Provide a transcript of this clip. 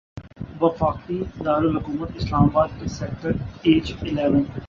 وفاقی دارالحکومت اسلام آباد کے سیکٹر ایچ الیون